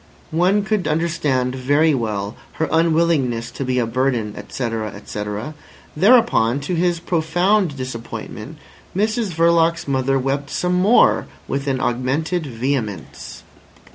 One could understand very well her unwillingness to be a burden, etc. etc. Thereupon, to his profound disappointment, Mrs Verloc's mother wept some more with an augmented vehemence.